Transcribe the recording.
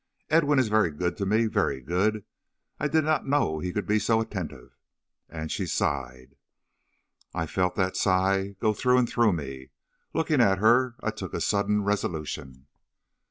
Edwin is very good to me; very good. I did not know he could be so attentive.' And she sighed. "I felt that sigh go through and through me. Looking at her I took a sudden resolution.